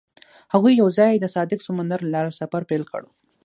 هغوی یوځای د صادق سمندر له لارې سفر پیل کړ.